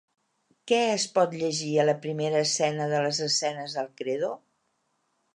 Què es pot llegir a la primera escena de les escenes del credo?